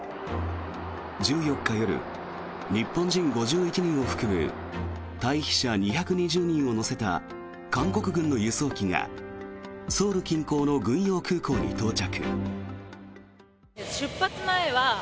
１４日夜、日本人５１人を含む退避者２２０人を乗せた韓国軍の輸送機がソウル近郊の軍用空港に到着。